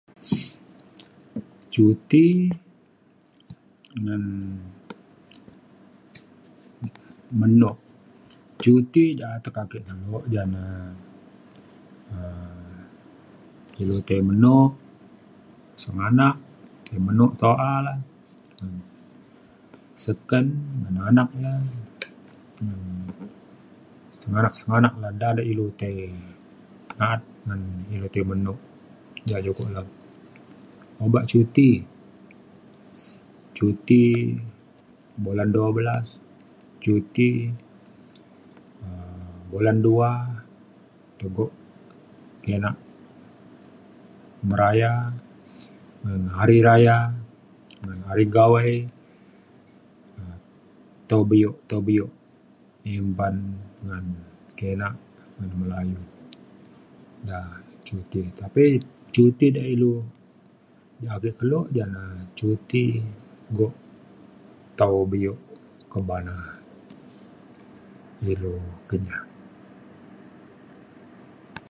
cuti ngan meno cuti ja atek ake kelo ja na um ilu tai meno senganak tai meno to'a la um seken ngan anak le ngan senganak senganak le da de ilu tei na'at ngan ilu ti menuk ja joku lek obak cuti. cuti bulan dua belas cuti um bulan dua tego kinak beraya ngan Hari Raya ngan hari Gawai um tau bio tau bio empan ngan kinak ngan Melayu da cuti tapi cuti da ilu ia' ja ake kelo ja ne cuti go tau bio kebana ilu Kenyah